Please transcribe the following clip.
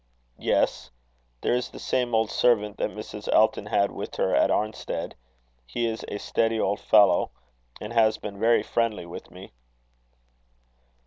"Yes. There is the same old servant that Mrs. Elton had with her at Arnstead. He is a steady old fellow, and has been very friendly with me."